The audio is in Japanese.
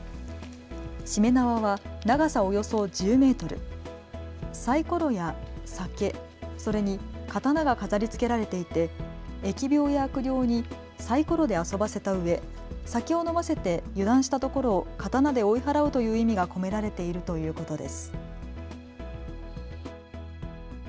しめ縄は長さおよそ１０メートル、サイコロや酒、それに刀が飾りつけられていて疫病や悪霊にサイコロで遊ばせたうえ酒を飲ませて油断したところを刀で追い払うという意味が込められているということです。